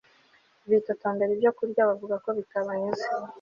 bitotombera ibyokurya bavuga ko bitabanyuze